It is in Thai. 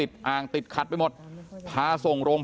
พี่สาวของเธอบอกว่ามันเกิดอะไรขึ้นกับพี่สาวของเธอ